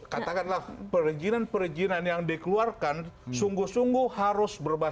katakanlah perizinan perizinan yang dikeluarkan sungguh sungguh harus berbasis